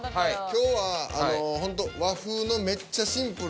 今日はあのほんと和風のめっちゃシンプルな。